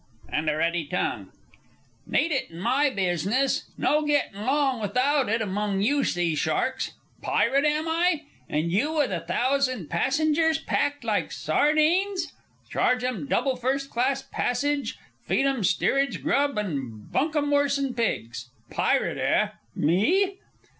"And a ready tongue." "Need it in my business. No gettin' 'long without it among you sea sharks. Pirate, am I? And you with a thousand passengers packed like sardines! Charge 'em double first class passage, feed 'em steerage grub, and bunk 'em worse 'n pigs! Pirate, eh! Me?"